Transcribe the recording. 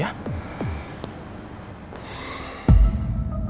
ayuh akhirnya ucaz buat pergi aja